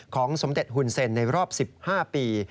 ของสมเด็จหุ่นเซ็นในรอบ๑๕ปี